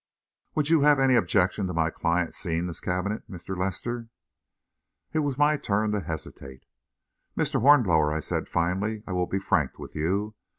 "Would you have any objection to my client seeing this cabinet, Mr. Lester?" It was my turn to hesitate. "Mr. Hornblower," I said, finally, "I will be frank with you.